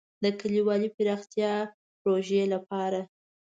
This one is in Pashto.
د کلیوالي پراختیا پروژې لپاره.